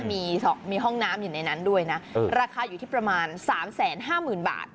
มีสองมีห้องน้ำอย่างในนั้นด้วยนะเออราคาอยู่ที่ประมาณสามแสนห้าหมื่นบาท